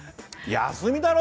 休みだろ！